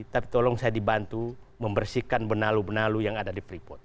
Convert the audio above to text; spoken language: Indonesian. tapi tolong saya dibantu membersihkan benalu benalu yang ada di freeport